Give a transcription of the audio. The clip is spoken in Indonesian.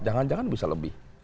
jangan jangan bisa lebih